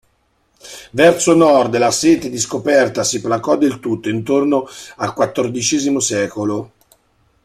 Verso Nord, la sete di scoperta si placò del tutto intorno al XIV secolo.